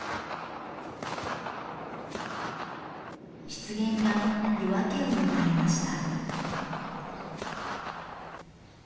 湿原が夜明けを迎えました。